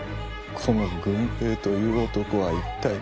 この「郡平」という男は一体。